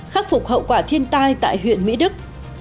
khắc phục hậu quả thiên tai tại huyện mỹ đức